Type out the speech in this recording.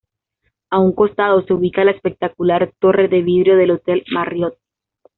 A un costado se ubica la espectacular torre de vidrio del hotel Marriott.